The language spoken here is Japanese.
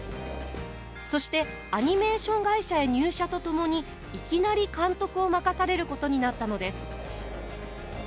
そしてアニメーション会社へ入社とともにいきなり監督を任されることになったのです。